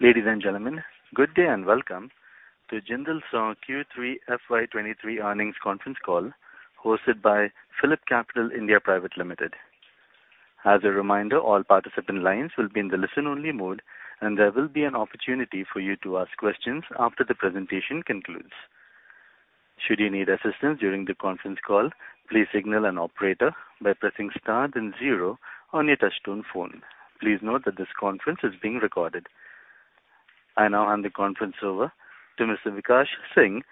Ladies and gentlemen, good day and welcome to Jindal SAW Q3 FY 2023 earnings conference call hosted by PhillipCapital India Private Limited. As a reminder, all participant lines will be in the listen-only mode. There will be an opportunity for you to ask questions after the presentation concludes. Should you need assistance during the conference call, please signal an operator by pressing star then zero on your touchtone phone. Please note that this conference is being recorded. I now hand the conference over to Mr. Vikash Singh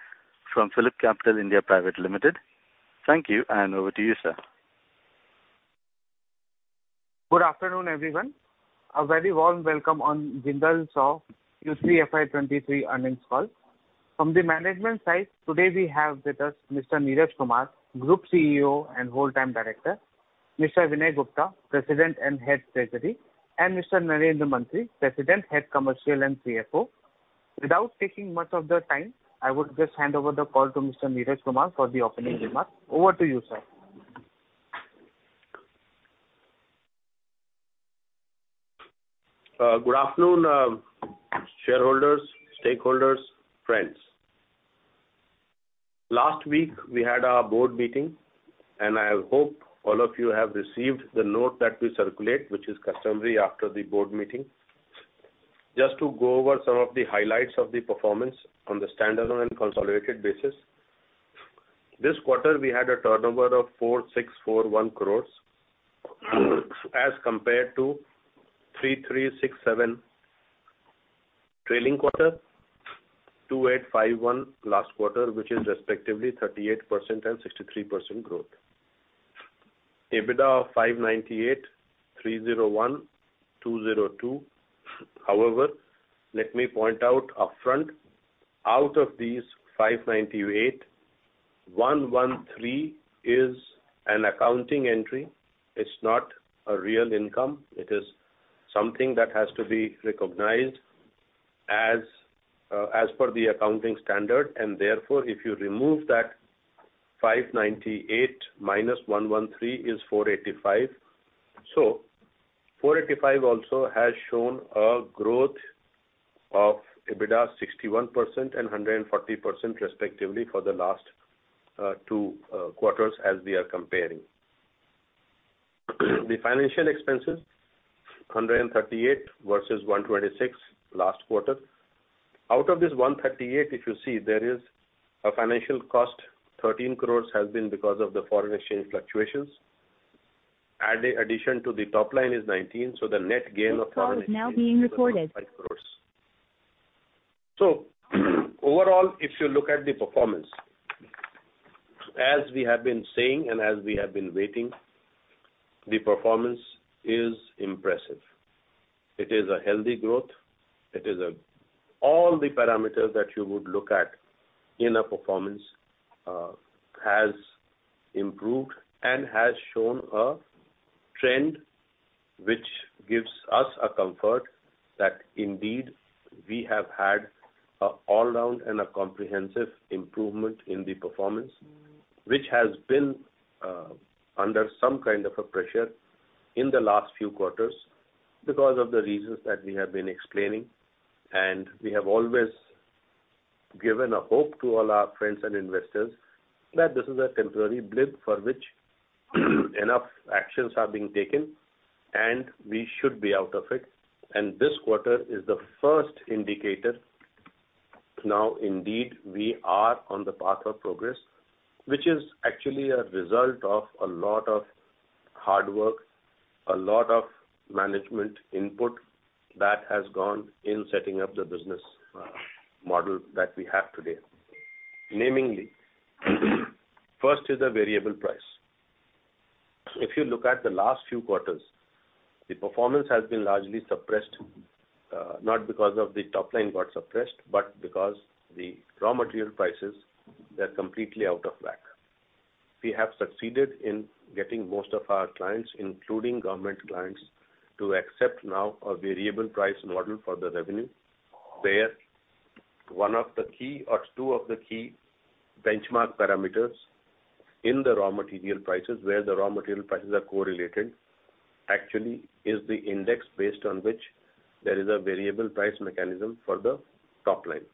from PhillipCapital India Private Limited. Thank you. Over to you, sir. Good afternoon, everyone. A very warm welcome on Jindal SAW Q3 FY23 earnings call. From the management side, today we have with us Mr. Neeraj Kumar, Group CEO and Whole-Time Director; Mr. Vinay Gupta, President and Head Treasury; and Mr. Narendra Mantri, President, Head Commercial, and CFO. Without taking much of the time, I would just hand over the call to Mr. Neeraj Kumar for the opening remarks. Over to you, sir. Good afternoon, shareholders, stakeholders, friends. Last week we had our Board meeting. I hope all of you have received the note that we circulate, which is customary after the Board meeting. Just to go over some of the highlights of the performance on the standalone and consolidated basis. This quarter we had a turnover of 4,641 crore, as compared to 3,367 crore trailing quarter, 2,851 crore last quarter, which is respectively 38% and 63% growth. EBITDA of 598 crore, 301 crore, 202 crore. However, let me point out upfront, out of these 598 crore, 113 crore is an accounting entry. It's not a real income. It is something that has to be recognized as per the accounting standard, and therefore, if you remove that 598 crore minus 113 crore is 485 crore. 485 crore also has shown a growth of EBITDA 61% and 140% respectively for the last two quarters as we are comparing. The financial expenses, 138 crore versus 126 crore last quarter. Out of this 138 crore, if you see, there is a financial cost, 13 crore has been because of the foreign exchange fluctuations. Add a addition to the top line is 19 crore, so the net gain of foreign exchange- This call is now being recorded. 5 crores. Overall, if you look at the performance, as we have been saying, and as we have been waiting, the performance is impressive. All the parameters that you would look at in a performance, has improved and has shown a trend which gives us a comfort that indeed we have had a all-round and a comprehensive improvement in the performance, which has been, under some kind of a pressure in the last few quarters because of the reasons that we have been explaining. We have always given a hope to all our friends and investors that this is a temporary blip for which enough actions are being taken, and we should be out of it. This quarter is the first indicator now indeed we are on the path of progress, which is actually a result of a lot of hard work, a lot of management input that has gone in setting up the business model that we have today. Namely, first is the variable price. If you look at the last few quarters, the performance has been largely suppressed, not because of the top line got suppressed, but because the raw material prices they're completely out of whack. We have succeeded in getting most of our clients, including government clients, to accept now a variable price model for the revenue. Where one of the key or two of the key benchmark parameters in the raw material prices, where the raw material prices are correlated, actually is the index based on which there is a variable price mechanism for the top-line.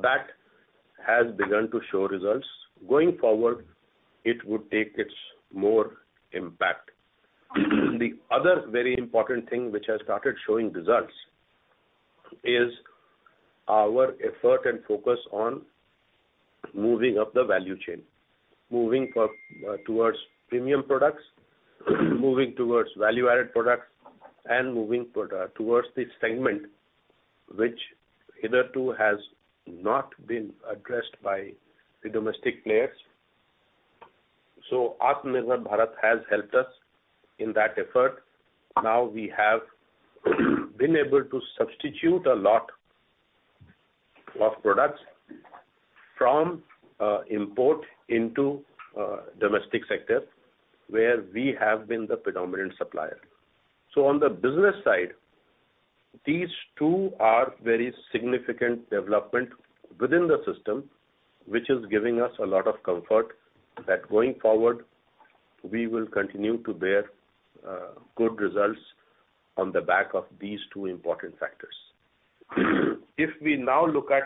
That has begun to show results. Going forward, it would take its more impact. The other very important thing which has started showing results is our effort and focus on moving up the value chain. Moving towards premium products, moving towards value-added products, and moving towards the segment which hitherto has not been addressed by the domestic players. Atmanirbhar Bharat has helped us in that effort. Now we have been able to substitute a lot of products from import into domestic sector, where we have been the predominant supplier. On the business side, these two are very significant development within the system, which is giving us a lot of comfort that going forward. We will continue to bear good results on the back of these two important factors. If we now look at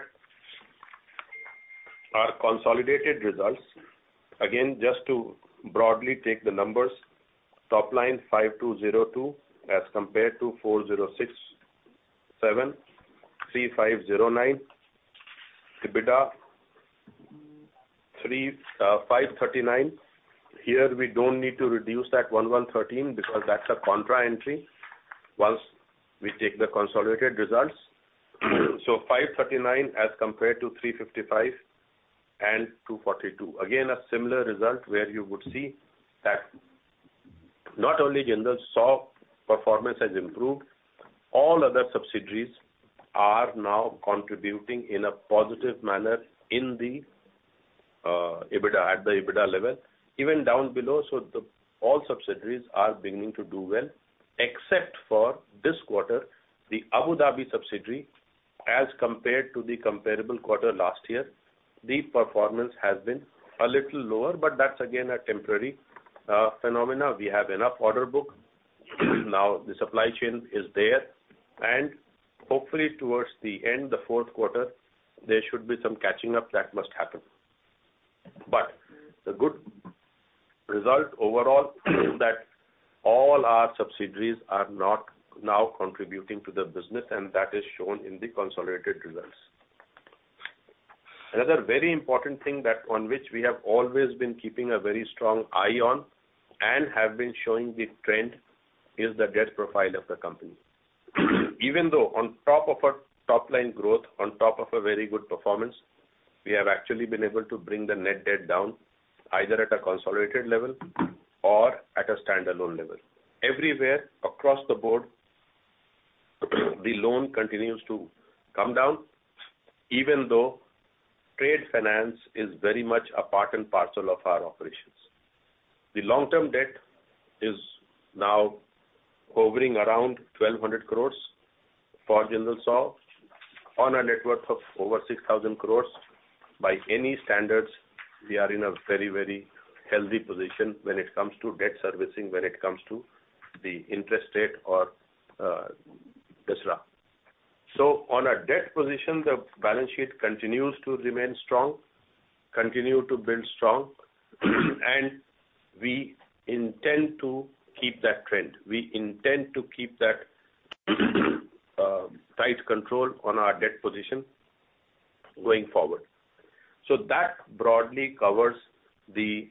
our consolidated results, again, just to broadly take the numbers, top-line 5,202 crore as compared to 4,067 crore, 3,509 crore. EBITDA is 539 crore. Here, we don't need to reduce that 113 crore because that's a contra entry once we take the consolidated results. 539 crore as compared to 355 crore and 242 crore. Again, a similar result where you would see that not only Jindal SAW performance has improved, all other subsidiaries are now contributing in a positive manner in the EBITDA, at the EBITDA level, even down below. All subsidiaries are beginning to do well, except for this quarter, the Abu Dhabi subsidiary as compared to the comparable quarter last year, the performance has been a little lower, but that's again a temporary phenomena. We have enough order book. Now the supply chain is there, and hopefully towards the end, the fourth quarter, there should be some catching up that must happen. The good result overall is that all our subsidiaries are not now contributing to the business, and that is shown in the consolidated results. Another very important thing that on which we have always been keeping a very strong eye on and have been showing the trend is the debt profile of the company. Even though on top of a top-line growth, on top of a very good performance, we have actually been able to bring the net debt down either at a consolidated level or at a standalone level. Everywhere across the board, the loan continues to come down, even though trade finance is very much a part and parcel of our operations. The long-term debt is now hovering around 1,200 crore for Jindal SAW on a net worth of over 6,000 crore. By any standards, we are in a very, very healthy position when it comes to debt servicing, when it comes to the interest rate or etcetera. On a debt position, the balance sheet continues to remain strong, continue to build strong, and we intend to keep that trend. We intend to keep that tight control on our debt position going forward. That broadly covers the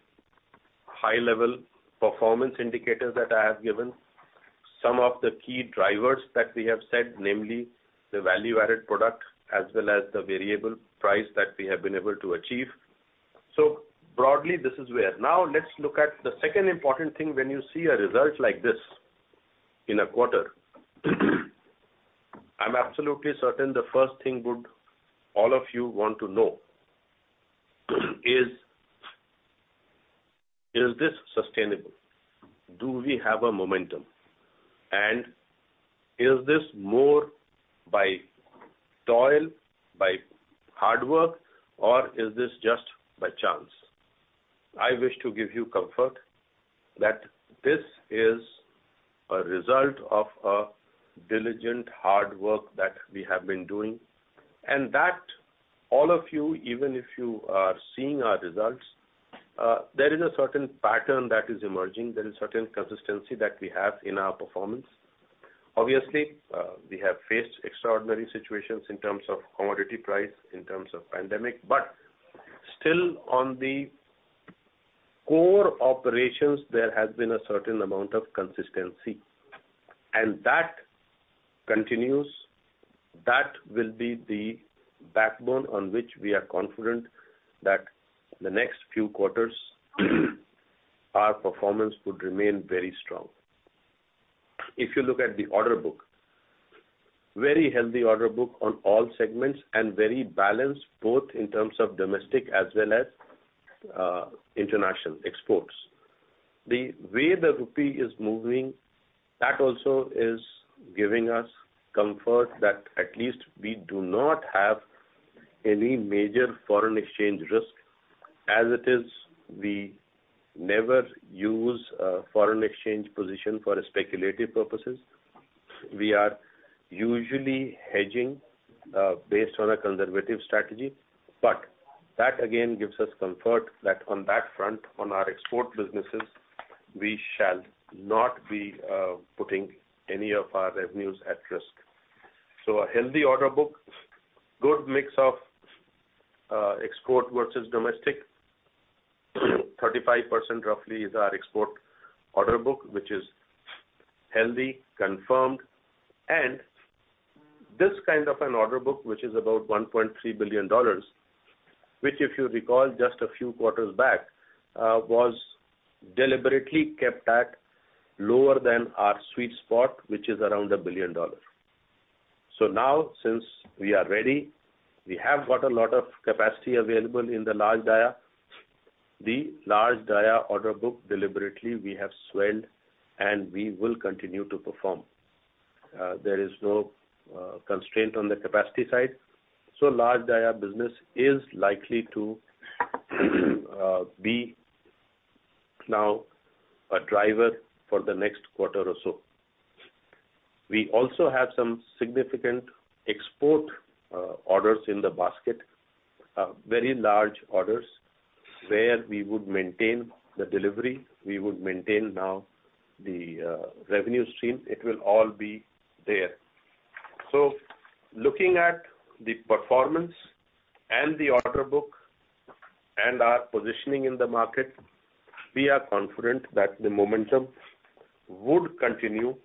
high-level performance indicators that I have given. Some of the key drivers that we have set, namely the value-added product as well as the variable price that we have been able to achieve. Broadly, this is where. Now let's look at the second important thing when you see a result like this in a quarter. I'm absolutely certain the first thing would all of you want to know is this sustainable? Do we have a momentum? Is this more by toil, by hard work, or is this just by chance? I wish to give you comfort that this is a result of a diligent hard work that we have been doing, that all of you, even if you are seeing our results, there is a certain pattern that is emerging. There is certain consistency that we have in our performance. Obviously, we have faced extraordinary situations in terms of commodity price, in terms of pandemic, but still on the core operations, there has been a certain amount of consistency. That continues. That will be the backbone on which we are confident that the next few quarters, our performance would remain very strong. If you look at the order book, very healthy order book on all segments and very balanced both in terms of domestic as well as international exports. The way the rupee is moving, that also is giving us comfort that at least we do not have any major foreign exchange risk. As it is, we never use foreign exchange position for speculative purposes. We are usually hedging based on a conservative strategy, that again gives us comfort that on that front, on our export businesses, we shall not be putting any of our revenues at risk. A healthy order book, good mix of export versus domestic. 35% roughly is our export order book, which is healthy, confirmed. This kind of an order book, which is about $1.3 billion, which if you recall just a few quarters back, was deliberately kept at lower than our sweet spot, which is around $1 billion. Now, since we are ready, we have got a lot of capacity available in the large-diameter pipes. The large-diameter pipes order book deliberately we have swelled, and we will continue to perform. There is no constraint on the capacity side. Large-diameter pipes business is likely to be now a driver for the next quarter or so. We also have some significant export orders in the basket, very large orders, where we would maintain the delivery, we would maintain now the revenue stream. It will all be there. Looking at the performance and the order book and our positioning in the market, we are confident that the momentum would continue,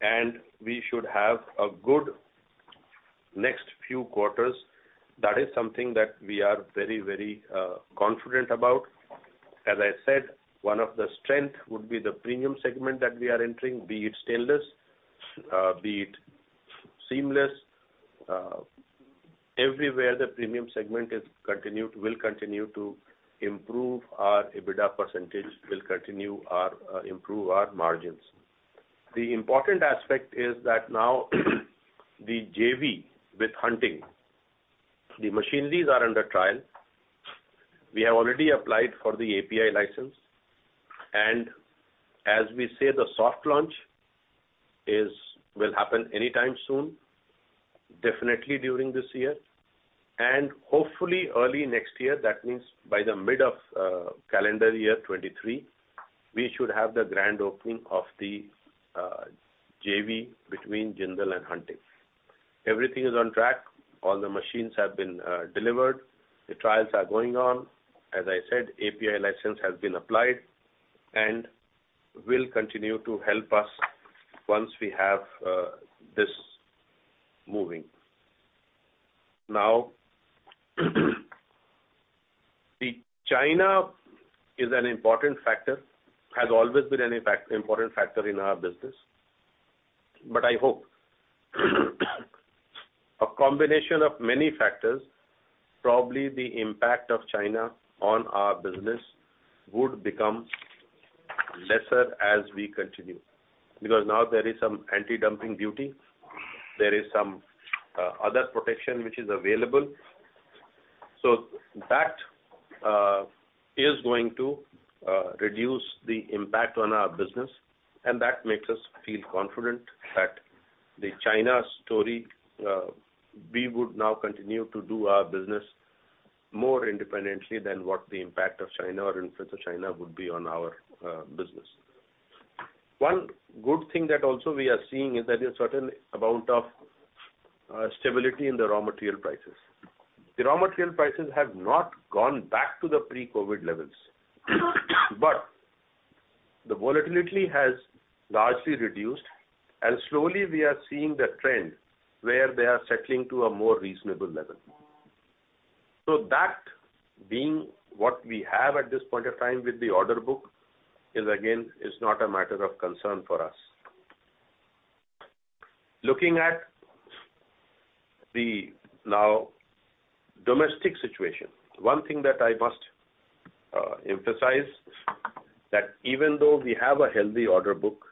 and we should have a good next few quarters. That is something that we are very confident about. As I said, one of the strength would be the premium segment that we are entering, be it stainless, be it seamless. Everywhere the premium segment will continue to improve our EBITDA percentage, will continue our improve our margins. The important aspect is that now the JV with Hunting, the machineries are under trial. We have already applied for the API license. As we say, the soft launch will happen anytime soon, definitely during this year. Hopefully early next year, that means by the mid of calendar year 2023, we should have the grand opening of the JV between Jindal SAW and Hunting. Everything is on track. All the machines have been delivered. The trials are going on. As I said, API license has been applied and will continue to help us once we have this moving. The China is an important factor, has always been an important factor in our business. I hope a combination of many factors, probably the impact of China on our business would become lesser as we continue. Now there is some anti-dumping duty, there is some other protection which is available. That is going to reduce the impact on our business, and that makes us feel confident that the China story, we would now continue to do our business more independently than what the impact of China or influence of China would be on our business. One good thing that also we are seeing is that a certain amount of stability in the raw material prices. The raw material prices have not gone back to the pre-COVID levels, but the volatility has largely reduced, and slowly we are seeing the trend where they are settling to a more reasonable level. That being what we have at this point of time with the order book is again, is not a matter of concern for us. Looking at the now domestic situation, one thing that I must emphasize, that even though we have a healthy order book,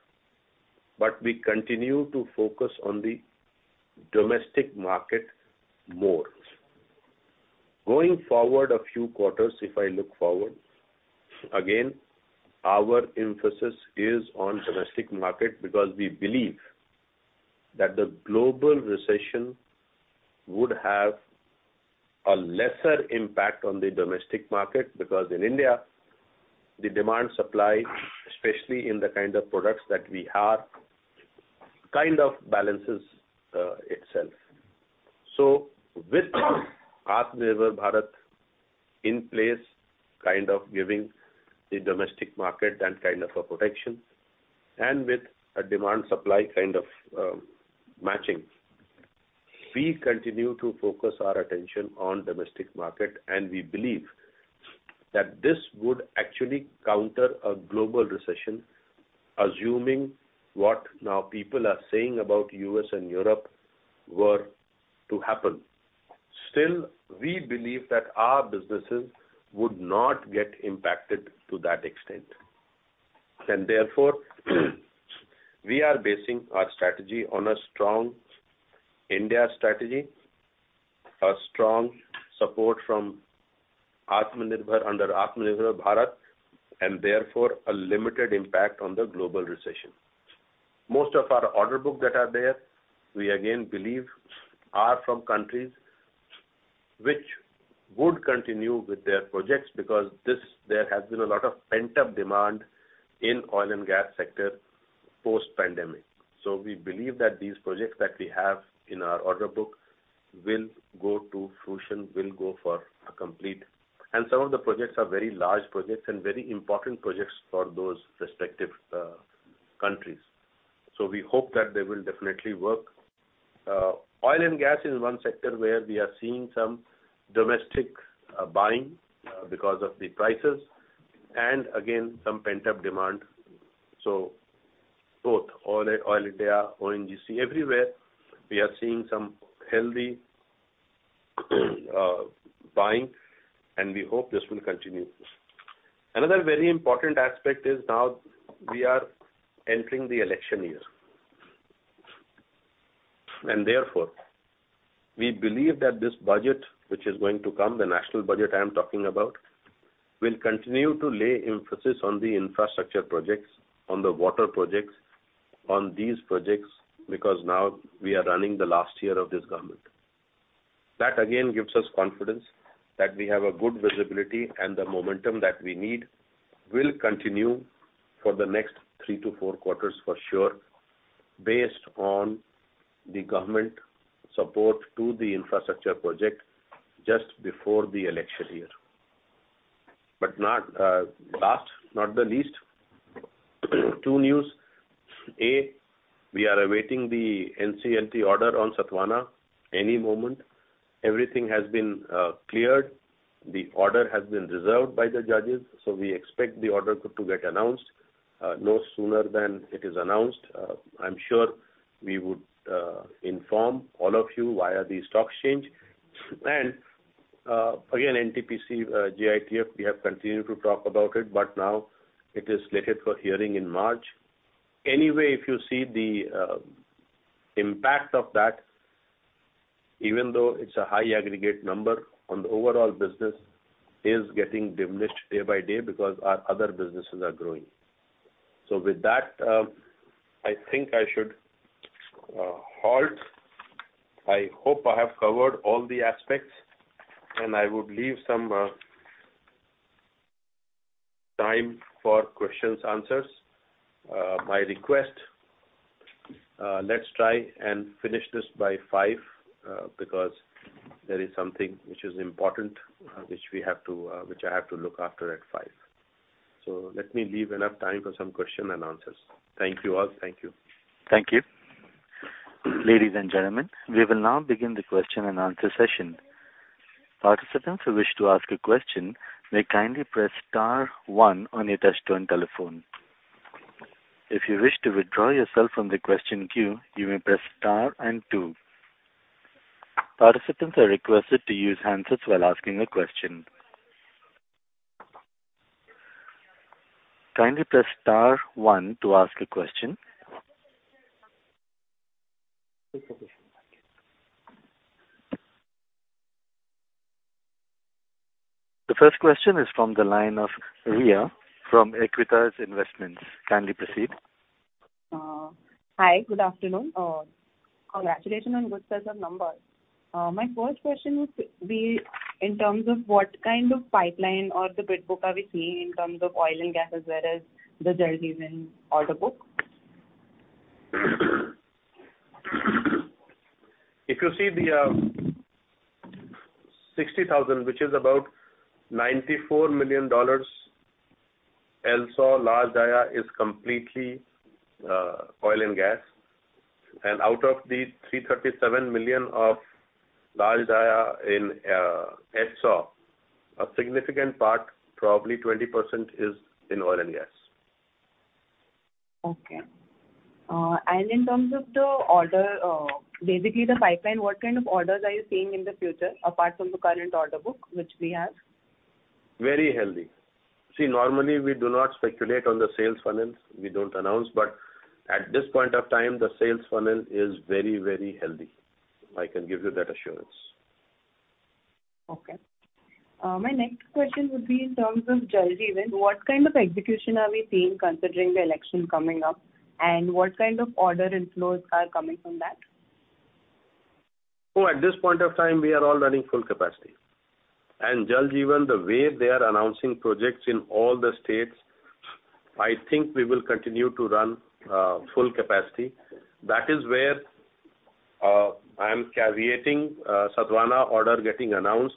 but we continue to focus on the domestic market more. Going forward a few quarters, if I look forward, again, our emphasis is on domestic market because we believe that the global recession would have a lesser impact on the domestic market, because in India, the demand supply, especially in the kind of products that we have, kind of balances itself. With Atmanirbhar Bharat in place, kind of giving the domestic market that kind of a protection, and with a demand supply kind of matching, we continue to focus our attention on domestic market. We believe that this would actually counter a global recession, assuming what now people are saying about U.S. and Europe were to happen. Still, we believe that our businesses would not get impacted to that extent. Therefore, we are basing our strategy on a strong India strategy, a strong support from Atmanirbhar under Atmanirbhar Bharat, therefore a limited impact on the global recession. Most of our order book that are there, we again believe are from countries which would continue with their projects because there has been a lot of pent-up demand in oil and gas sector post-pandemic. We believe that these projects that we have in our order book will go to fruition, will go for a complete. Some of the projects are very large projects and very important projects for those respective countries. We hope that they will definitely work. Oil and gas is one sector where we are seeing some domestic buying because of the prices and again, some pent-up demand. Both Oil India, ONGC, everywhere, we are seeing some healthy buying, and we hope this will continue. Another very important aspect is now we are entering the election year. Therefore, we believe that this budget which is going to come, the national budget I am talking about, will continue to lay emphasis on the infrastructure projects, on the water projects, on these projects, because now we are running the last year of this government. That again gives us confidence that we have a good visibility, and the momentum that we need will continue for the next three to four quarters for sure, based on the government support to the infrastructure project just before the election year. Not, last, not the least, two news. A, we are awaiting the NCLT order on Sathavahana any moment. Everything has been cleared. The order has been reserved by the judges, so we expect the order to get announced. No sooner than it is announced, I'm sure we would inform all of you via the stock exchange. Again, NTPC, JITF, we have continued to talk about it, but now it is slated for hearing in March. Anyway, if you see the impact of that, even though it's a high aggregate number on the overall business is getting diminished day by day because our other businesses are growing. With that, I think I should halt. I hope I have covered all the aspects, and I would leave some time for questions, answers. My request, let's try and finish this by 5:00 P.M., because there is something which is important, which we have to, which I have to look after at 5:00 P.M. Let me leave enough time for some question and answers. Thank you all. Thank you. Thank you. Ladies and gentlemen, we will now begin the question-and-answer session. Participants who wish to ask a question may kindly press star one on your touchtone telephone. If you wish to withdraw yourself from the question queue, you may press star and two. Participants are requested to use handsets while asking a question. Kindly press star one to ask a question. The first question is from the line of Riya Mehta from Aequitas Investments. Kindly proceed. Hi, good afternoon. Congratulations on good set of numbers. My first question would be in terms of what kind of pipeline or the bid book are we seeing in terms of oil and gas as well as the Jal Jeevan Mission order book? If you see the, 60,000 crore, which is about $94 million, El Saw, large-diameter pipes is completely, oil and gas. Out of the $337 million of large-diameter pipes in, El Saw, a significant part, probably 20%, is in oil and gas. Okay. In terms of the order, basically the pipeline, what kind of orders are you seeing in the future apart from the current order book which we have? Very healthy. See, normally we do not speculate on the sales funnels. We don't announce, but at this point of time, the sales funnel is very, very healthy. I can give you that assurance. Okay. My next question would be in terms of Jal Jeevan Mission, what kind of execution are we seeing considering the election coming up? What kind of order inflows are coming from that? At this point of time, we are all running full capacity. Jal Jeevan Mission, the way they are announcing projects in all the states, I think we will continue to run full capacity. That is where I am caveating, Sathavahana order getting announced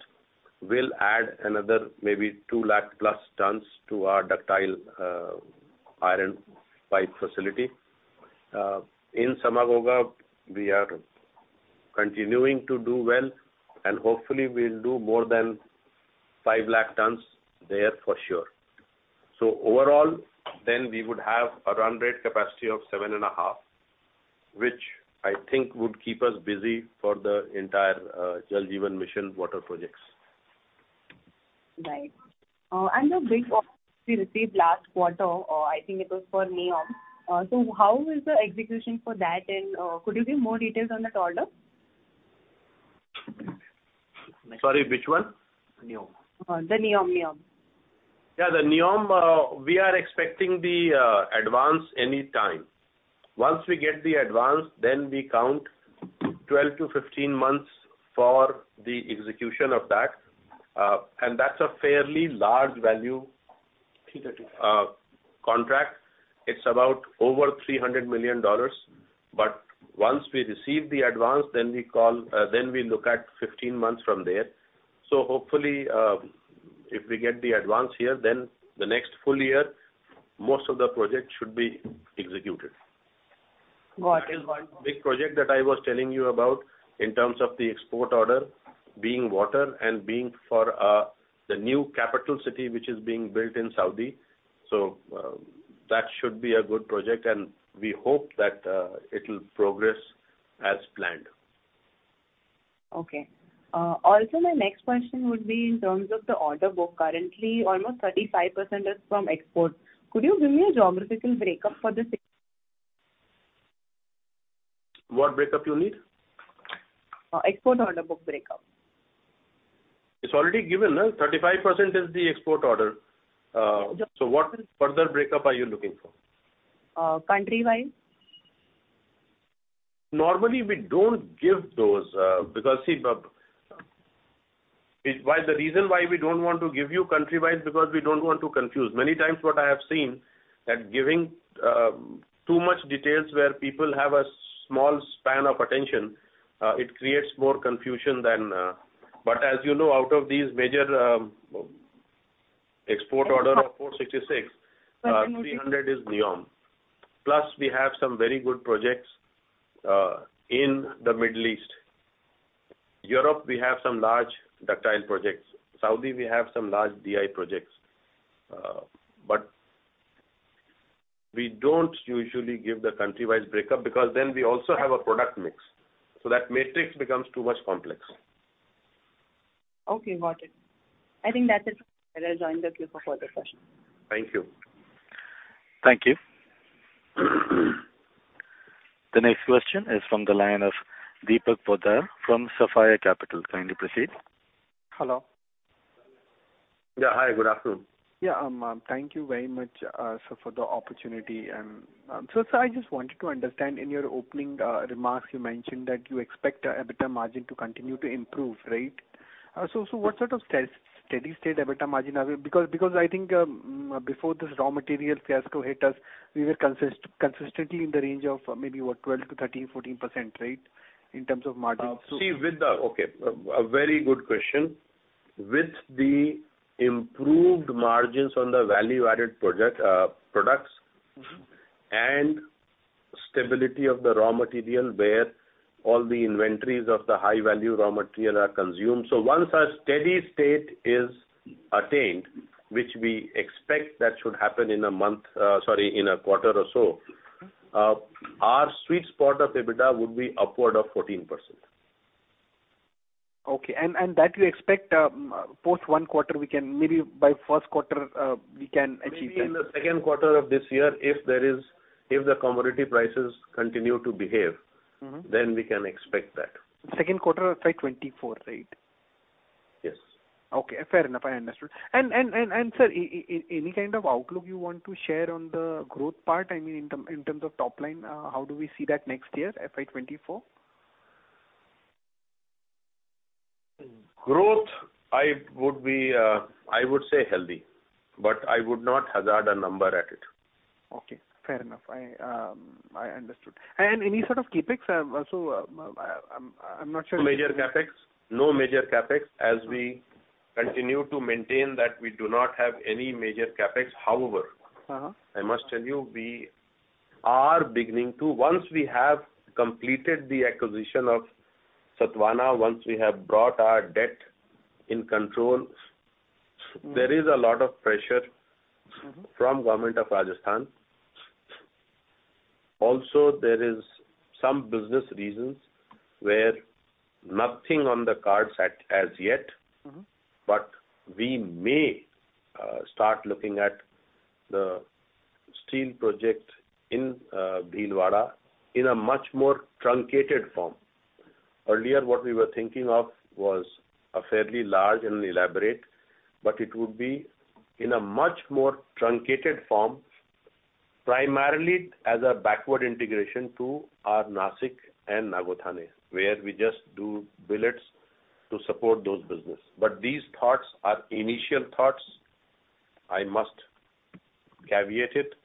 will add another maybe 2+ lakh tons to our ductile iron pipe facility. In Samaghogha, we are continuing to do well, and hopefully we'll do more than 5 lakh tons there for sure. Overall, then we would have a run rate capacity of 7.5 lakh tons, which I think would keep us busy for the entire Jal Jeevan Mission water projects. Right. The big offer we received last quarter, I think it was for NEOM. How is the execution for that and, could you give more details on that order? Sorry, which one? NEOM. The NEOM. Yeah, the NEOM, we are expecting the advance any time. Once we get the advance, then we count 12 to 15 months for the execution of that. That's a fairly large value. $335 million. Contract. It's about over $300 million. Once we receive the advance, then we look at 15 months from there. Hopefully, if we get the advance here, then the next full year, most of the project should be executed. Got it. Big project that I was telling you about in terms of the export order being water and being for the new capital city which is being built in Saudi. That should be a good project, and we hope that it'll progress as planned. Okay. Also my next question would be in terms of the order book. Currently, almost 35% is from export. Could you give me a geographical break up for this? What break up you need? Export order book break up. It's already given, 35% is the export order. Y- What further break up are you looking for? Country-wise. Normally, we don't give those because the reason why we don't want to give you country-wise because we don't want to confuse. Many times what I have seen that giving too much details where people have a small span of attention, it creates more confusion than. As you know, out of these major export order of $466 million. Sorry, can you just? $300 million is NEOM. We have some very good projects in the Middle East. Europe, we have some large ductile projects. Saudi, we have some large DI projects. We don't usually give the country-wise break up because then we also have a product mix, so that matrix becomes too much complex. Okay, got it. I think that's it. I will join the queue for further questions. Thank you. Thank you. The next question is from the line of Deepak Poddar from Sapphire Capital. Kindly proceed. Hello. Yeah. Hi, good afternoon. Thank you very much, sir, for the opportunity. Sir, I just wanted to understand, in your opening remarks, you mentioned that you expect a EBITDA margin to continue to improve, right? What sort of steady-state EBITDA margin are we? Because I think, before this raw material fiasco hit us, we were consistently in the range of maybe, what, 12%-13%, 14%, right? In terms of margins. Okay, a very good question. With the improved margins on the value-added project, products. Mm-hmm. Stability of the raw material where all the inventories of the high value raw material are consumed. Once our steady state is attained, which we expect that should happen in a quarter or so. Mm-hmm. Our sweet spot of EBITDA would be upward of 14%. Okay. That you expect, post 1 quarter we can maybe by first quarter, we can achieve that. Maybe in the second quarter of this year, if the commodity prices continue to behave. Mm-hmm. We can expect that. Second quarter of FY 2024, right? Yes. Okay, fair enough. I understood. Sir, any kind of outlook you want to share on the growth part, I mean, in terms of top-line, how do we see that next year, FY 2024? Growth, I would be, I would say healthy, but I would not hazard a number at it. Okay, fair enough. I understood. Any sort of CapEx, I'm not sure... No major CapEx. No major CapEx as we continue to maintain that we do not have any major CapEx. Uh-huh. Once we have completed the acquisition of Sathavahana, once we have brought our debt in control, there is a lot of pressure. Mm-hmm. From government of Rajasthan. Also, there is some business reasons where nothing on the cards at yet. Mm-hmm. We may start looking at the steel project in Bhilwara in a much more truncated form. Earlier, what we were thinking of was a fairly large and elaborate, but it would be in a much more truncated form, primarily as a backward integration to our Nasik and Nagothane, where we just do billets to support those business. These thoughts are initial thoughts. I must caveat it.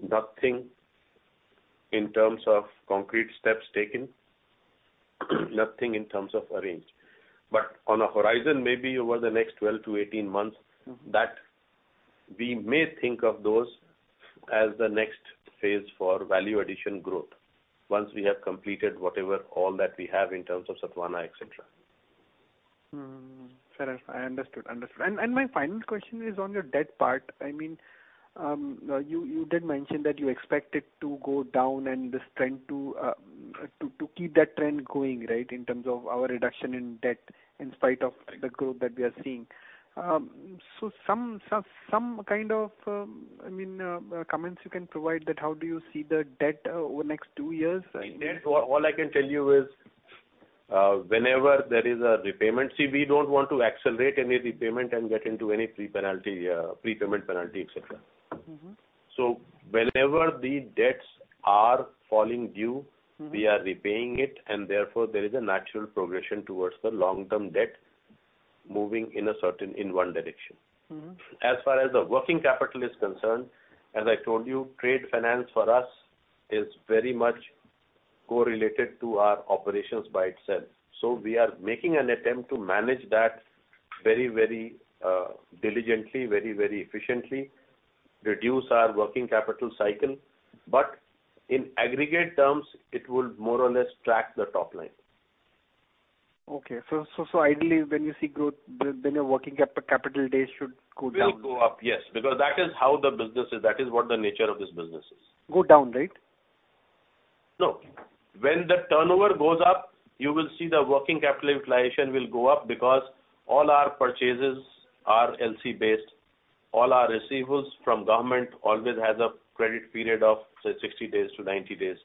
Nothing in terms of concrete steps taken, nothing in terms of arranged. On a horizon, maybe over the next 12 to 18 months. Mm-hmm. That we may think of those as the next phase for value addition growth once we have completed whatever all that we have in terms of Sathavahana, et cetera. Fair enough. I understood. Understood. My final question is on your debt part. I mean, you did mention that you expect it to go down and this trend to keep that trend going, right? In terms of our reduction in debt, in spite of the growth that we are seeing. Some kind of, I mean, comments you can provide that how do you see the debt over next two years? Debt, all I can tell you is, whenever there is a repayment, see, we don't want to accelerate any repayment and get into any pre-penalty, prepayment penalty, et cetera. Mm-hmm. Whenever the debts are falling due. Mm-hmm. We are repaying it, and therefore, there is a natural progression towards the long-term debt moving in a certain, in one direction. Mm-hmm. As far as the working capital is concerned, as I told you, trade finance for us is very much correlated to our operations by itself. We are making an attempt to manage that very, very diligently, very, very efficiently, reduce our working capital cycle. In aggregate terms, it will more or less track the top-line. Ideally when you see growth, your working capital days should go down. Will go up, yes, because that is how the business is. That is what the nature of this business is. Go down, right? No. When the turnover goes up, you will see the working capital utilization will go up because all our purchases are LC-based. All our receivables from government always has a credit period of say 60 days to 90 days.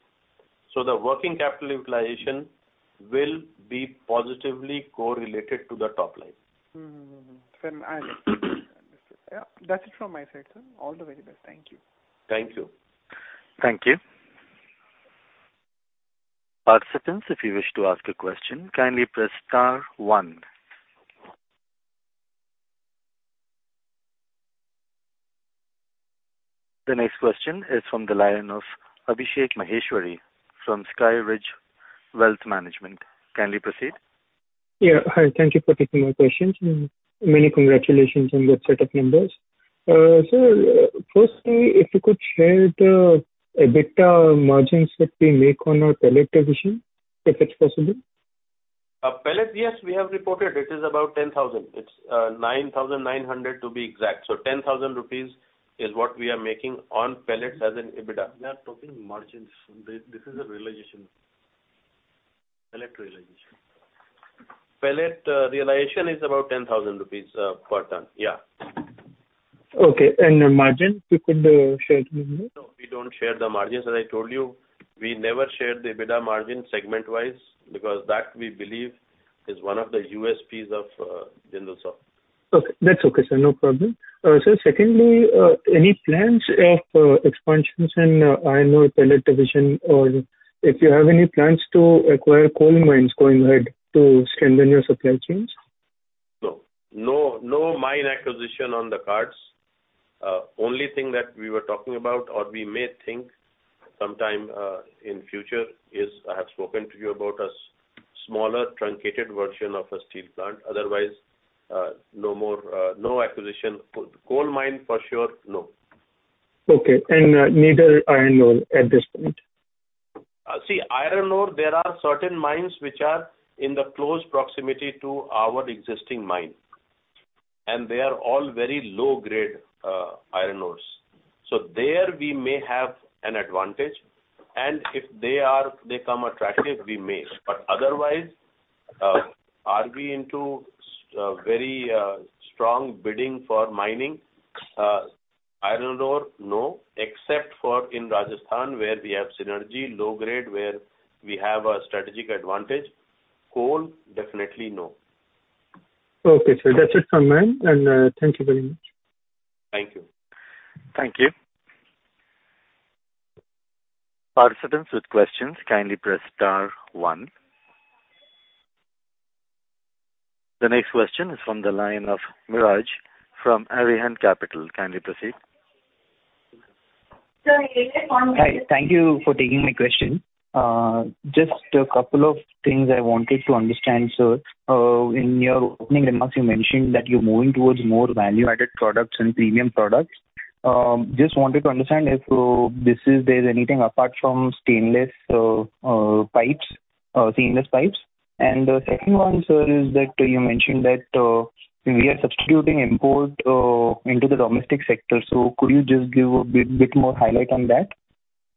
The working capital utilization will be positively correlated to the top-line. Mm-hmm. I understand. Yeah. That's it from my side, sir. All the very best. Thank you. Thank you. Thank you. Participants, if you wish to ask a question, kindly press star one. The next question is from the line of Abhishek Maheshwari from SkyRidge Wealth Management. Kindly proceed. Yeah. Hi, thank you for taking my questions. Many congratulations on your set of numbers. Sir, firstly, if you could share the EBITDA margins that we make on our pellet division, if it's possible. Pellet, yes, we have reported it is about 10,000 crore. It's 9,900 crore to be exact. 10,000 crore rupees is what we are making on Pellets as in EBITDA. We are talking margins. This is a realization. Pellet realization. Pellet realization is about 10,000 crore rupees per ton. Yeah. Okay. Margin, you could share it with me? No, we don't share the margins that I told you. We never shared the EBITDA margin segment wise because that we believe is one of the USPs of Jindal SAW. Okay. That's okay, sir. No problem. Sir, secondly, any plans of expansions in iron ore pellet division or if you have any plans to acquire coal mines going ahead to strengthen your supply chains? No. No, no mine acquisition on the cards. only thing that we were talking about or we may think sometime, in future is I have spoken to you about a smaller truncated version of a steel plant. Otherwise, no more, no acquisition. Coal mine for sure, no. Okay. Neither iron ore at this point? See iron ore, there are certain mines which are in the close proximity to our existing mine, and they are all very low-grade iron ores. There we may have an advantage. If they come attractive, we may. Otherwise, are we into very strong bidding for mining? Iron ore, no. Except for in Rajasthan, where we have synergy, low-grade, where we have a strategic advantage. Coal, definitely no. Okay, sir. That's it from me. Thank you very much. Thank you. Thank you. Participants with questions, kindly press star one. The next question is from the line of Miraj from Arihant Capital. Kindly proceed. Hi. Thank you for taking my question. Just a couple of things I wanted to understand, sir. In your opening remarks, you mentioned that you're moving towards more value-added products and premium products. Just wanted to understand if this is there's anything apart from stainless pipes, Seamless Pipes. The second one, sir, is that you mentioned that we are substituting import into the domestic sector. Could you just give a bit more highlight on that?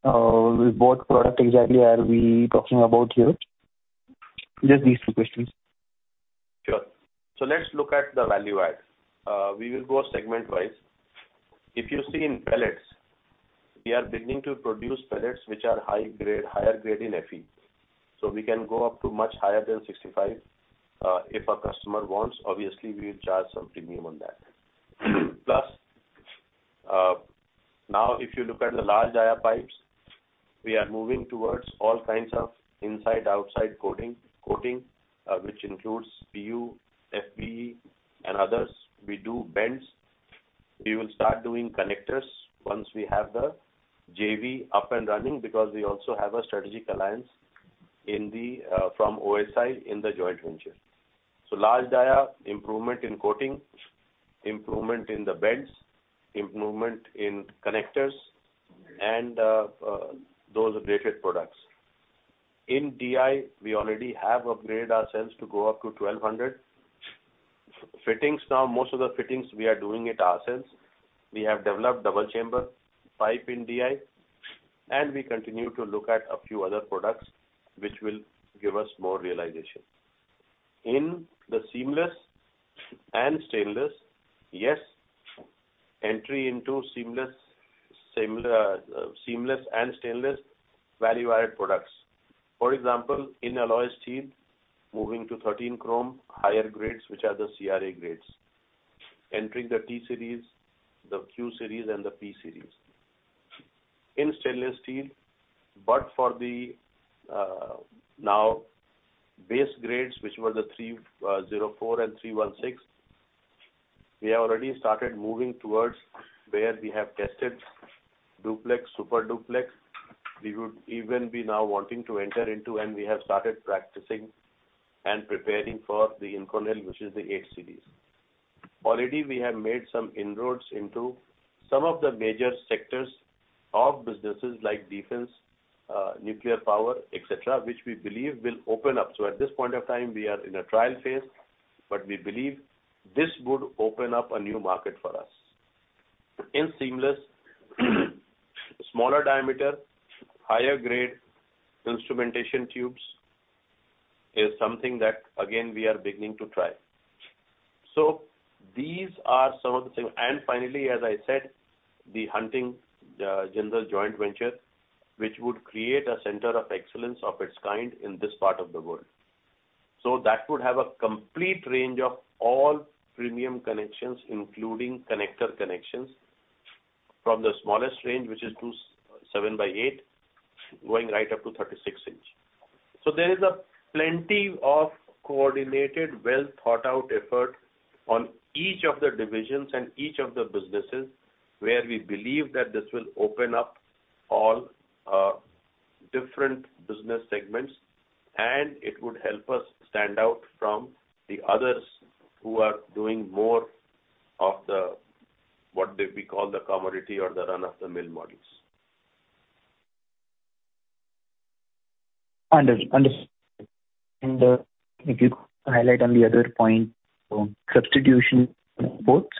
What product exactly are we talking about here? Just these two questions. Sure. Let's look at the value add. We will go segment wise. If you see in Pellets, we are beginning to produce Pellets which are high-grade, higher grade in Fe. We can go up to much higher than 65%. If a customer wants, obviously we charge some premium on that. Plus, now if you look at the large-diameter pipes, we are moving towards all kinds of inside, outside coating, which includes PU, FBE, and others. We do bends. We will start doing connectors once we have the JV up and running because we also have a strategic alliance from OSI in the joint venture. Large-diameter piples, improvement in coating, improvement in the bends, improvement in connectors and those related products. In DI, we already have upgraded ourselves to go up to 1,200 crore. Fittings now, most of the fittings we are doing it ourselves. We have developed double chamber pipe in DI, we continue to look at a few other products which will give us more realization. In the seamless and stainless, yes, entry into seamless, similar, seamless and stainless value-added products. For example, in alloy steel, moving to 13 Chrome, higher grades, which are the CRA grades, entering the T series, the Q series and the P series. In stainless steel, for the now base grades, which were the 304 and 316, we have already started moving towards where we have tested Duplex, Super Duplex. We would even be now wanting to enter into and we have started practicing and preparing for the Inconel, which is the H series. Already we have made some inroads into some of the major sectors of businesses like defense, nuclear power, et cetera, which we believe will open up. At this point of time, we are in a trial phase, but we believe this would open up a new market for us. In seamless, smaller diameter, higher grade instrumentation tubes is something that, again, we are beginning to try. These are some of the things. Finally, as I said, the Hunting-Jindal SAW joint venture, which would create a center of excellence of its kind in this part of the world. That would have a complete range of all premium connections, including connector connections from the smallest range, which is two 7x8, going right up to 36 in. There is a plenty of coordinated, well-thought-out effort on each of the divisions and each of the businesses, where we believe that this will open up all different business segments, and it would help us stand out from the others who are doing more of the, what we call the commodity or the run-of-the-mill models. Under-understood. If you could highlight on the other point on substitution imports?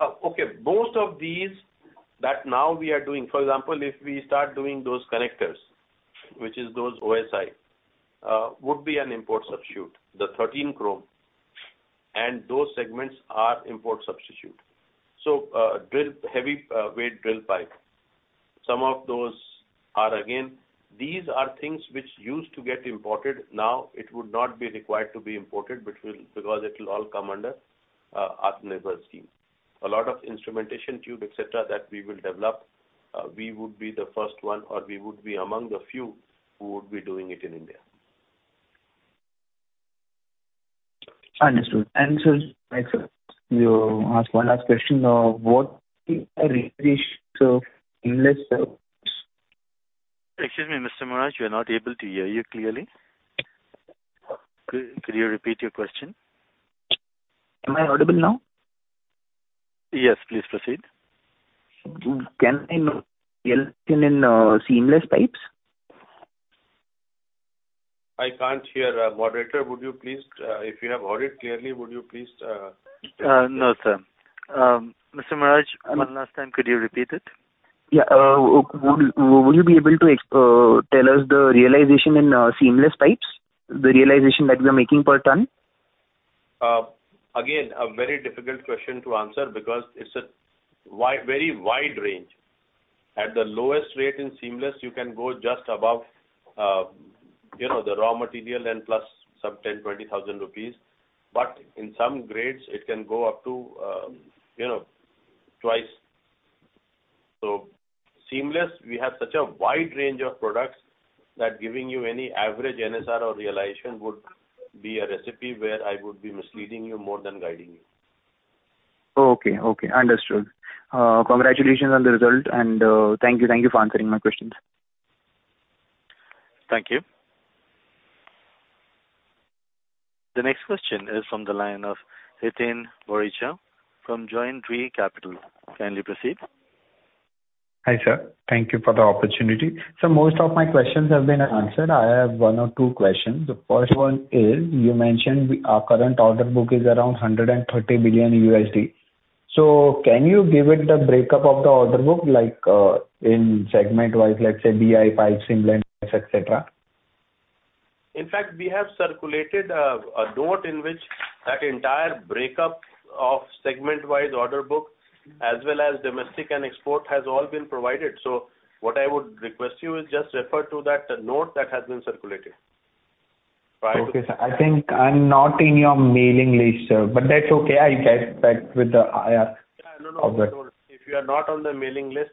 Okay. Most of these that now we are doing, for example, if we start doing those connectors, which is those OSI, would be an import substitute, the 13 Chrome, and those segments are import substitute. heavy weight drill pipe. Some of those are again, these are things which used to get imported. Now it would not be required to be imported because it will all come under Atmanirbhar scheme. A lot of instrumentation tube, et cetera, that we will develop, we would be the first one or we would be among the few who would be doing it in India. Understood. sir, excellent. To ask one last question. what is the realization of seamless Excuse me, Mr. Miraj, we are not able to hear you clearly. Could you repeat your question? Am I audible now? Yes, please proceed. Can I know realization in Seamless Pipes? I can't hear. Moderator, would you please, if you have heard it clearly, would you please? No, sir. Mr. Miraj, one last time, could you repeat it? Yeah. Would you be able to tell us the realization in Seamless Pipes, the realization that we are making per ton? Again, a very difficult question to answer because it's a very wide range. At the lowest rate in seamless, you can go just above, you know, the raw material and plus some 10,000 crore-20,000 crore rupees. In some grades, it can go up to, you know, twice. Seamless, we have such a wide range of products that giving you any average NSR or realization would be a recipe where I would be misleading you more than guiding you. Okay. Okay. Understood. Congratulations on the result, thank you. Thank you for answering my questions. Thank you. The next question is from the line of Hiten Boricha from Joindre Capital. Kindly proceed. Hi, sir. Thank you for the opportunity. Most of my questions have been answered. I have one or two questions. The first one is, you mentioned our current order book is around $130 billion. Can you give it the breakup of the order book, like, in segment-wise, let's say DI, Pipes, Seamless, et cetera? In fact, we have circulated, a note in which that entire breakup of segment-wise order book as well as domestic and export has all been provided. What I would request you is just refer to that note that has been circulated. Right? Okay, sir. I think I'm not in your mailing list, sir, but that's okay. I'll get back with the IR. Yeah. No, no. If you are not on the mailing list,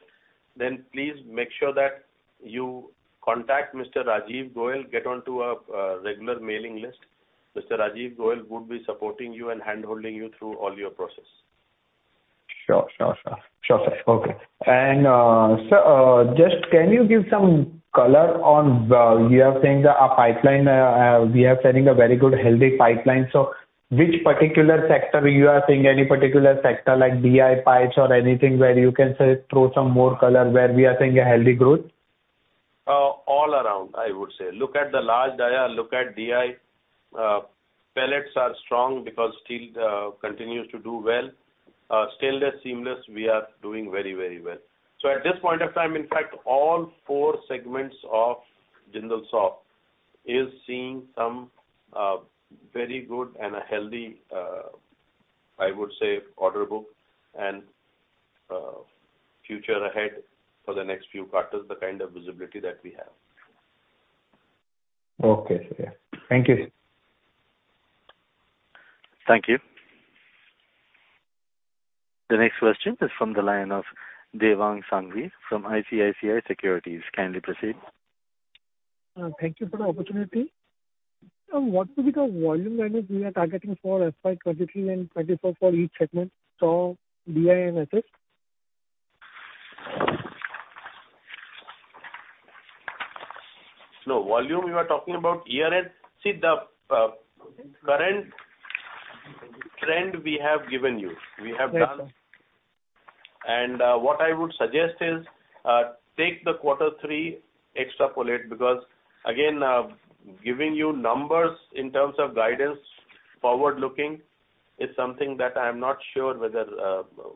please make sure that you contact Mr. Rajeev Goyal, get onto a regular mailing list. Mr. Rajeev Goyal would be supporting you and handholding you through all your process. Sure. Sure, sure. Sure, sir. Okay. Sir, just can you give some color on you are saying that our pipeline, we are sending a very good healthy pipeline? Which particular sector you are seeing any particular sector like DI pipes or anything where you can say throw some more color where we are seeing a healthy growth? All around, I would say. Look at the large diameter, look at DI. Pellets are strong because steel continues to do well. Stainless seamless, we are doing very, very well. At this point of time, in fact, all four segments of Jindal SAW is seeing some very good and a healthy, I would say, order book and future ahead for the next few quarters, the kind of visibility that we have. Okay, sir. Yeah. Thank you. Thank you. The next question is from the line of Dewang Sanghavi from ICICI Securities. Kindly proceed. Thank you for the opportunity. What will be the volume range we are targeting for FY 2023 and FY 2024 for each segment, SAW, DI and SS? No volume you are talking about year end. See the current trend we have given you. Yes, sir. We have done. What I would suggest is, take the quarter three extrapolate, because again, giving you numbers in terms of guidance forward looking is something that I'm not sure whether,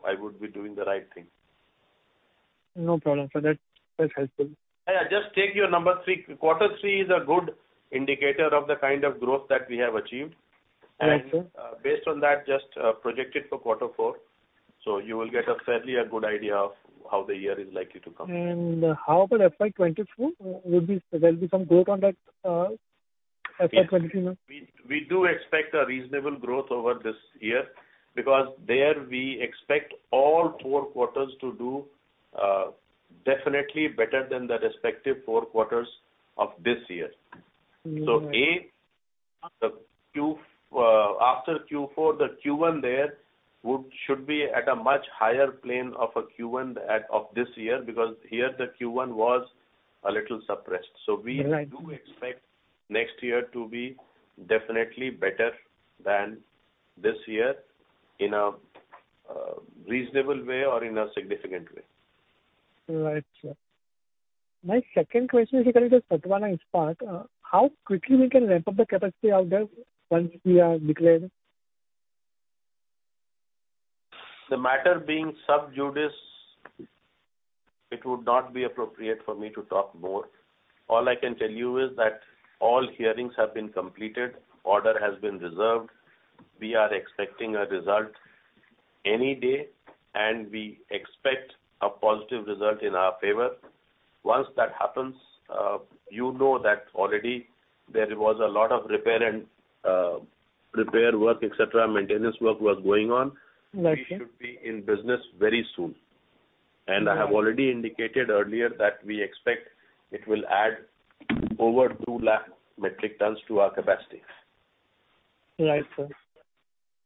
I would be doing the right thing. No problem, sir. That's helpful. Just take your number three. Quarter 3 is a good indicator of the kind of growth that we have achieved. Right, sir. Based on that, just project it for quarter four. You will get a fairly a good idea of how the year is likely to come. How about FY 2024? There'll be some growth on that, FY 2024? We do expect a reasonable growth over this year because there we expect all four quarters to do definitely better than the respective four quarters of this year. Mm-hmm. The Q, after Q4, the Q1 should be at a much higher plane of a Q1 of this year, because here the Q1 was a little suppressed. Right. We do expect next year to be definitely better than this year in a reasonable way or in a significant way. Right, sir. My second question is regarding the Sathavahana dispute. How quickly we can ramp up the capacity out there once we are declared? The matter being sub-judice, it would not be appropriate for me to talk more. All I can tell you is that all hearings have been completed, order has been reserved. We are expecting a result any day, and we expect a positive result in our favor. Once that happens, you know that already there was a lot of repair and repair work, et cetera, maintenance work was going on. Right, sir. We should be in business very soon. Mm-hmm. I have already indicated earlier that we expect it will add over 200,000 metric tons to our capacity. Right, sir.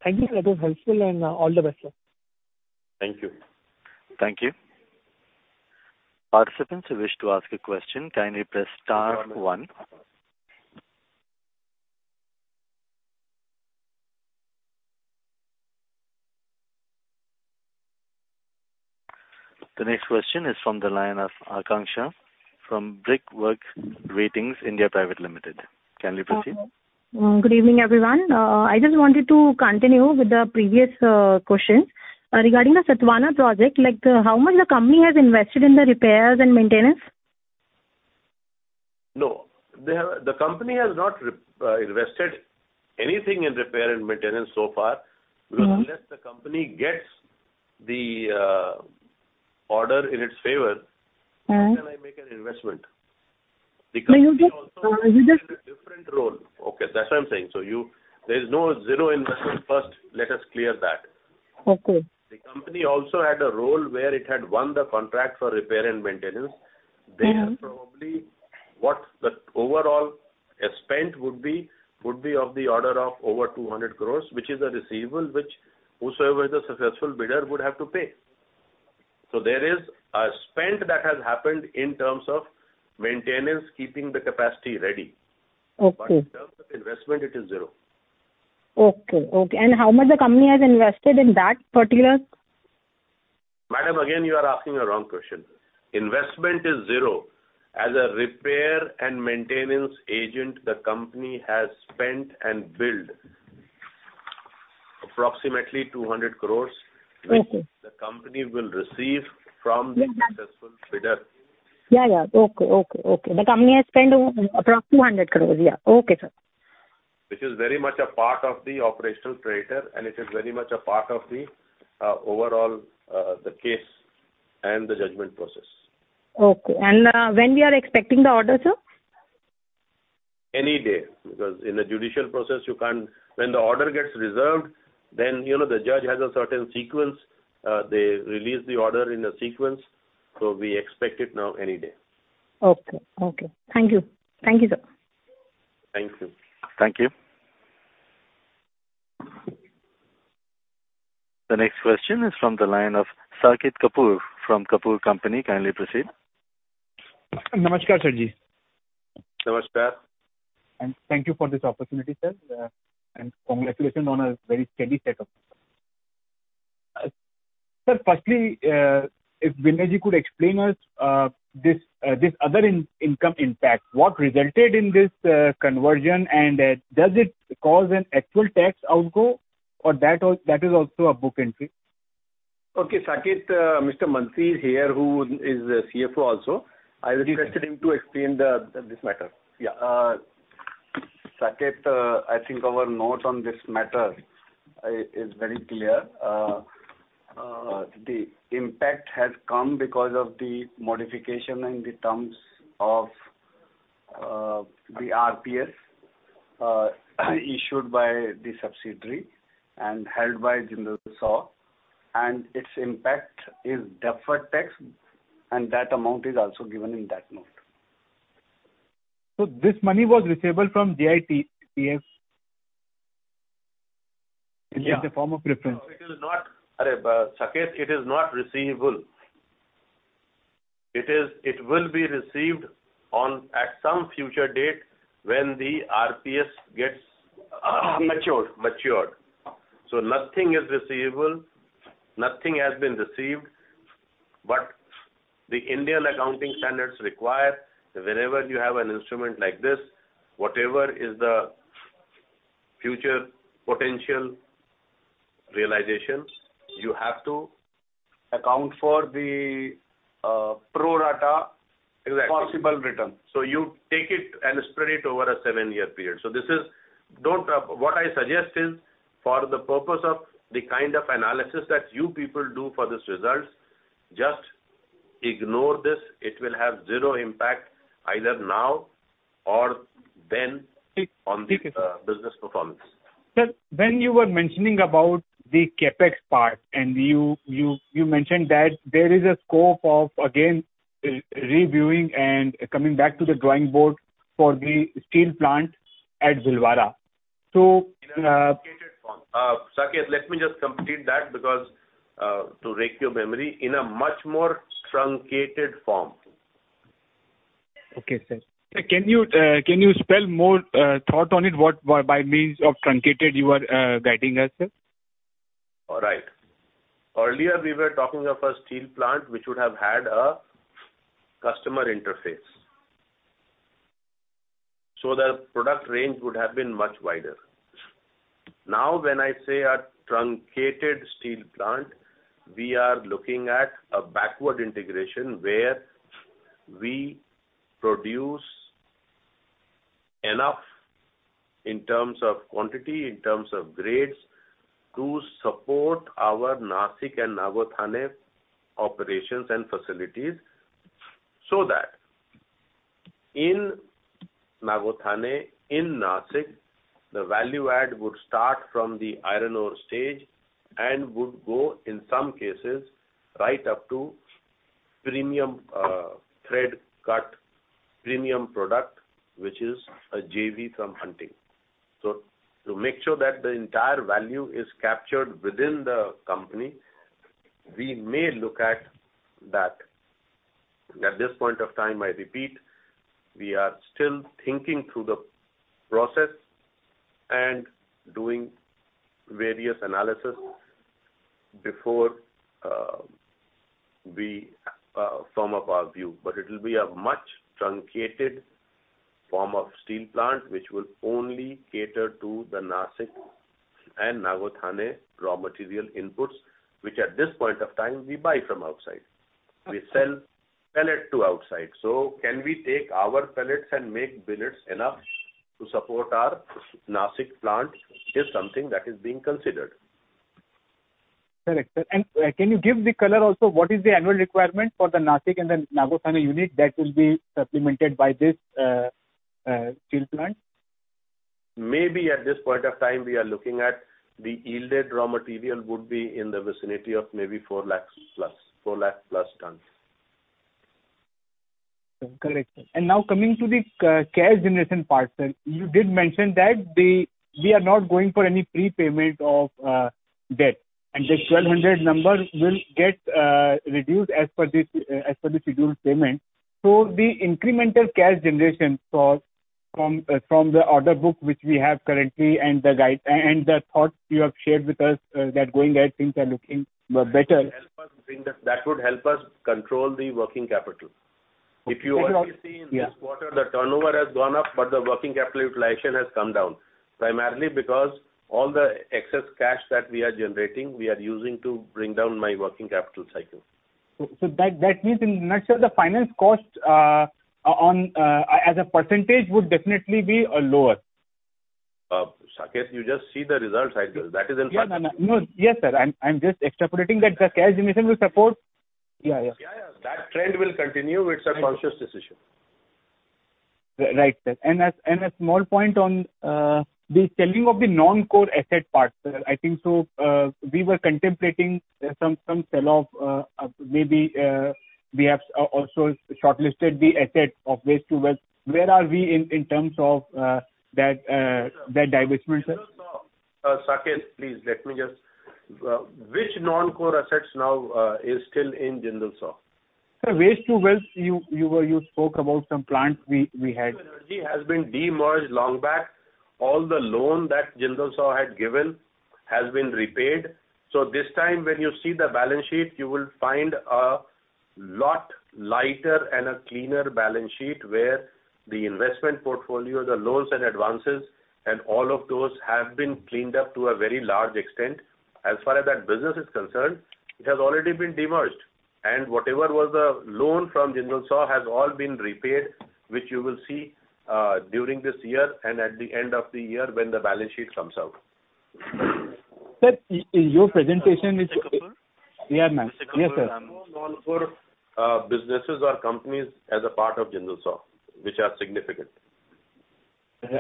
Thank you, sir. That was helpful. All the best, sir. Thank you. Thank you. Participants who wish to ask a question, kindly press star one. The next question is from the line of Akanksha from Brickwork Ratings India Private Limited. Kindly proceed. Good evening, everyone. I just wanted to continue with the previous question. Regarding the Sathavahana project, like how much the company has invested in the repairs and maintenance? No. The company has not invested anything in repair and maintenance so far. Mm-hmm. Unless the company gets the order in its favor. Mm-hmm. How can I make an investment? The company also. No, you just. Played a different role. Okay. That's what I'm saying. You, there's no zero investment first. Let us clear that. Okay. The company also had a role where it had won the contract for repair and maintenance. Mm-hmm. There probably what the overall spent would be, would be of the order of over 200 crore, which is a receivable, which whosoever is a successful bidder would have to pay. There is a spend that has happened in terms of maintenance, keeping the capacity ready. Okay. In terms of investment it is zero. Okay, okay. How much the company has invested in that particular? Madam, again, you are asking a wrong question. Investment is zero. As a repair and maintenance agent, the company has spent and billed approximately 200 crore. Okay. Which the company will receive from the successful bidder. Yeah, yeah. Okay, okay. The company has spent approximately 200 crore. Yeah. Okay, sir. Which is very much a part of the operational creditor, and it is very much a part of the overall, the case and the judgment process. Okay. When we are expecting the order, sir? Any day, because in a judicial process you can't... When the order gets reserved, then, you know, the judge has a certain sequence. They release the order in a sequence. We expect it now any day. Okay. Thank you. Thank you, sir. Thank you. Thank you. The next question is from the line of Saket Kapoor from Kapoor Company. Kindly proceed. Namaskar, Sirji. Namaskar. Thank you for this opportunity, sir, and congratulations on a very steady set of results. Sir, firstly, if Vinayji could explain us this other in-income impact, what resulted in this conversion, and does it cause an actual tax outgo or that is also a book entry? Okay. Saket, Mr. Mantri is here, who is the Chief Financial Officer also. Yes. I'll request him to explain this matter. Yeah. Saket, I think our note on this matter is very clear. The impact has come because of the modification in the terms of the RPS issued by the subsidiary and held by Jindal SAW. Its impact is deferred tax, and that amount is also given in that note. This money was receivable from JITFL. It is a form of preference. No, it is not. Saket, it is not receivable. It is, it will be received on at some future date when the RPS gets... Matured. Matured. Nothing is receivable. Nothing has been received. The Indian accounting standards require that whenever you have an instrument like this, whatever is the future potential realization, you have to- Account for the pro rata- Exactly. possible return. You take it and spread it over a seven-year period. Don't rap. What I suggest is for the purpose of the kind of analysis that you people do for these results, just ignore this. It will have zero impact either now or then on the business performance. Sir, when you were mentioning about the CapEx part and you mentioned that there is a scope of again re-reviewing and coming back to the drawing board for the steel plant at Bhilwara. In a truncated form. Saket, let me just complete that because to rake your memory in a much more truncated form. Okay, sir. Can you spell more thought on it, what by means of truncated you are guiding us, sir? All right. Earlier we were talking of a steel plant which would have had a customer interface, so the product range would have been much wider. Now, when I say a truncated steel plant, we are looking at a backward integration where we produce enough in terms of quantity, in terms of grades to support our Nasik and Nagothane operations and facilities, so that in Nagothane, in Nasik, the value add would start from the iron ore stage and would go, in some cases, right up to premium, thread cut premium product, which is a JV from Hunting. To make sure that the entire value is captured within the company, we may look at that. At this point of time, I repeat, we are still thinking through the process and doing various analysis before we firm up our view. It will be a much truncated form of steel plant, which will only cater to the Nasik and Nagothane raw material inputs, which at this point of time we buy from outside. We sell pellet to outside. Can we take our Pellets and make billets enough to support our Nasik plant is something that is being considered. Correct, sir. Can you give the color also, what is the annual requirement for the Nasik and the Nagothane unit that will be supplemented by this steel plant? Maybe at this point of time we are looking at the yielded raw material would be in the vicinity of maybe 400,000+ tons. Correct. Now coming to the cash generation part, sir. You did mention that we are not going for any prepayment of debt, and the 1,200 crore number will get reduced as per the scheduled payment. The incremental cash generation saw from the order book, which we have currently and the thoughts you have shared with us, that going ahead things are looking better. That would help us control the working capital. Okay. If you already see in this quarter, the turnover has gone up, but the working capital utilization has come down, primarily because all the excess cash that we are generating, we are using to bring down my working capital cycle. That means in nutshell the finance cost on as a percentage would definitely be lower. Saket, you just see the results cycle. That is in front of you. Yeah. No, no. No. Yes, sir. I'm just extrapolating that the cash generation will support. Yeah. Yeah. That trend will continue. It's a conscious decision. Right, sir. A small point on the selling of the non-core asset part. I think so, we were contemplating some sell-off. Maybe, we have also shortlisted the asset of Waste to Wealth. Where are we in terms of that divestment, sir? Saket, please let me just. Which non-core assets now is still in Jindal SAW? Sir, waste-to-wealth, you spoke about some plants we had. Energy has been demerged long back. All the loan that Jindal SAW had given has been repaid. This time when you see the balance sheet, you will find a lot lighter and a cleaner balance sheet where the investment portfolio, the loans and advances, and all of those have been cleaned up to a very large extent. As far as that business is concerned, it has already been demerged. Whatever was the loan from Jindal SAW has all been repaid, which you will see during this year and at the end of the year when the balance sheet comes out. Sir, your presentation. Saket Kapoor. Yeah. Ma'am. Yes, sir. Saket Kapoor, no non-core businesses or companies as a part of Jindal SAW, which are significant.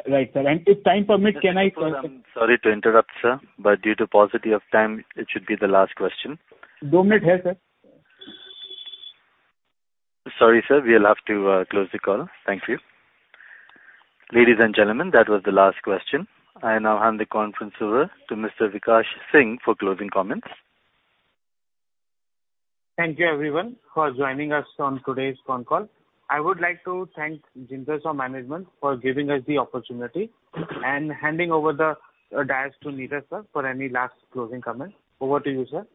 Right, sir. If time permit, can I- Sorry to interrupt, sir. Due to paucity of time, it should be the last question. Two minutes here, sir. Sorry, sir, we'll have to close the call. Thank you. Ladies and gentlemen, that was the last question. I now hand the conference over to Mr. Vikash Singh for closing comments. Thank you, everyone, for joining us on today's con call. I would like to thank Jindal SAW management for giving us the opportunity and handing over the desk to Neeraj, sir, for any last closing comments. Over to you, sir.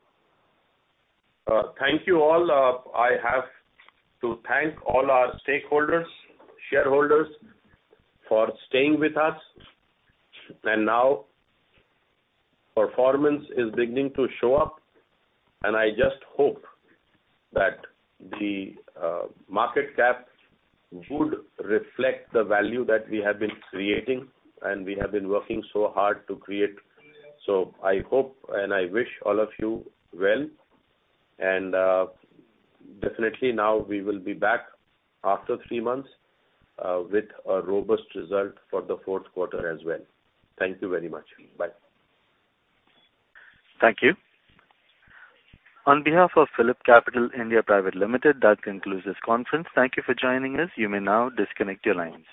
Thank you all. I have to thank all our stakeholders, shareholders for staying with us. Now performance is beginning to show up, and I just hope that the market cap would reflect the value that we have been creating and we have been working so hard to create. I hope and I wish all of you well. Definitely now we will be back after three months, with a robust result for the fourth quarter as well. Thank you very much. Bye. Thank you. On behalf of PhillipCapital India Private Limited, that concludes this conference. Thank you for joining us. You may now disconnect your lines.